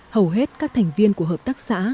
hầu hết các thành viên của hợp tác xã